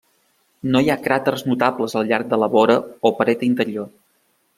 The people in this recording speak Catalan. No hi ha cràters notables al llarg de la vora o paret interior.